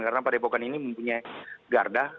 karena padepokan ini mempunyai garda